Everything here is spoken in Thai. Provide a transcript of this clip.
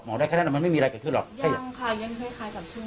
หมอได้แค่นั้นมันไม่มีอะไรขึ้นหรอกยังค่ะยังคล้ายกับช่วงแรก